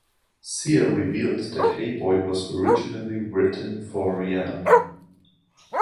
Sia revealed that "Hey Boy" was originally written for Rihanna.